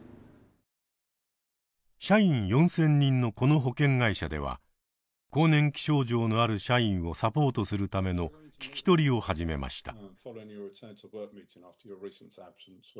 社員４，０００人のこの保険会社では更年期症状のある社員をサポートするための聞き取りを始めました。